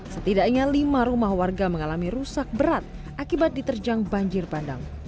setidaknya lima rumah warga mengalami rusak berat akibat diterjang banjir bandang